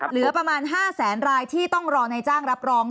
เหลือประมาณ๕แสนรายที่ต้องรอนายจ้างรับรอง